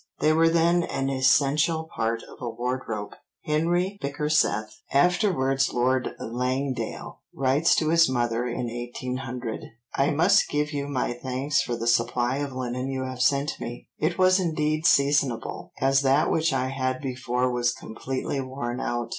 They were then an essential part of a wardrobe; Henry Bickersteth, afterwards Lord Langdale, writes to his mother in 1800, "I must give you my thanks for the supply of linen you have sent me; it was indeed seasonable, as that which I had before was completely worn out.